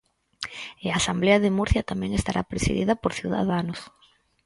E a Asemblea de Murcia tamén estará presidida por Ciudadanos.